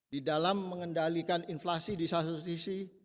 di dalam mengendalikan inflasi di satu sisi